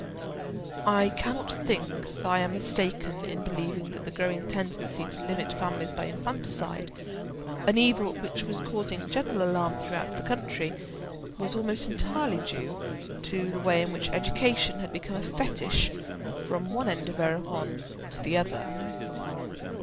I cannot think I am mistaken in believing that the growing tendency to limit families by infanticide—an evil which was causing general alarm throughout the country—was almost entirely due to the way in which education had become a fetish from one end of Erewhon to the other.